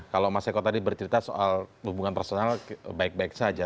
kalau mas eko tadi bercerita soal hubungan personal baik baik saja